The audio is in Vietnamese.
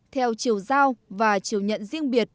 theo chiều giao và chiều nhận riêng biệt